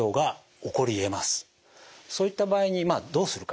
そういった場合にどうするか。